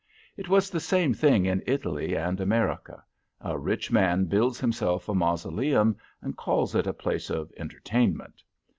It was the same thing in Italy and America: a rich man builds himself a mausoleum, and calls it a place of entertainment.